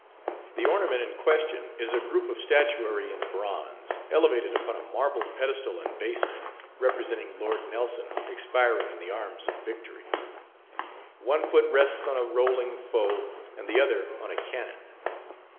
The ornament in question is a group of statuary in bronze, elevated upon a marble pedestal and basement, representing Lord Nelson expiring in the arms of Victory. One foot rests on a rolling foe, and the other on a cannon.